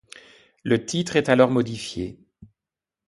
Le titre est alors modifié.